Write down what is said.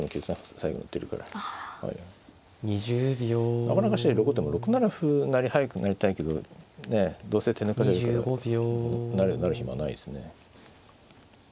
なかなか後手も６七歩成早く成りたいけどどうせ手抜かれるから成る暇ないですね。